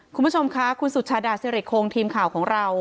คุณผู้ชมค่ะคุณสุชาดาสิริโครงทีมข่าวของเรา